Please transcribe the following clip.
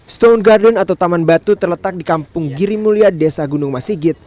stone garden atau taman batu terletak di kampung girimulia desa gunung masigit